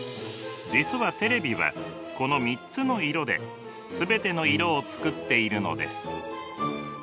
実はテレビはこの３つの色で全ての色を作っているのです。